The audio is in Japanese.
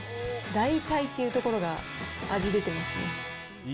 大体っていうところが、味出てますね。